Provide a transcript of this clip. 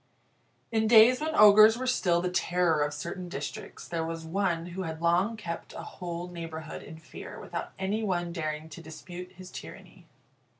In days when ogres were still the terror of certain districts, there was one who had long kept a whole neighbourhood in fear without any one daring to dispute his tyranny.